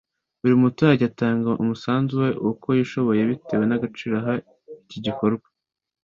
buri muturage atanga umusanzu we uko yishoboye bitewe n’agaciro ahaye iki gikorwa